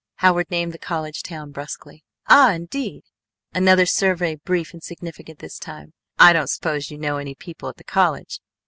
Howard named the college town brusquely. "Ah, indeed!" Another survey brief and significant this time. "I don't suppose you know any people at the college."